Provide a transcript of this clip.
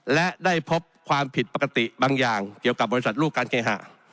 และได้พบความผิดปกติบางอย่างเกี่ยวกับบริษัทลูกการเคหะ